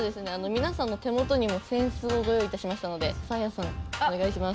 皆さんの手元にも扇子をご用意いたしましたのでサーヤさんお願いします。